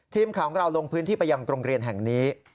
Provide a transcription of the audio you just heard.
ทีมข่าวของเราลงพื้นที่ไปยังโรงเรียนแห่งนี้